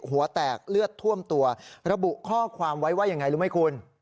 หัวแตกเลือดท่วมตัวระบุข้อความไว้ว่ายังไงรู้ไหมคุณ